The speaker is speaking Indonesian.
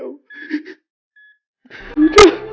ya allah aku gak kuat